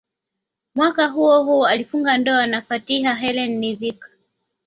Mwaka huohuo alifunga ndoa na Fathia Helen Ritzk